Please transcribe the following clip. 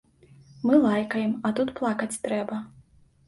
Мы лайкаем, а тут плакаць трэба.